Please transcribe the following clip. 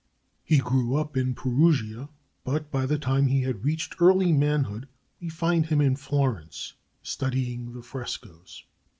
He grew up in Perugia; but by the time he had reached early manhood we find him at Florence, studying the frescos.